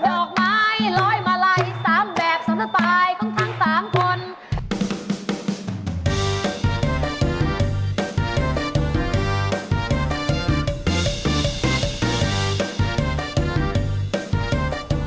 ดอกไม้ร่อยเมลักสามแบบสามชะตาตามรักษณะ